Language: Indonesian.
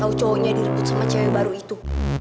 tau cowoknya direbut sama cewe baru itu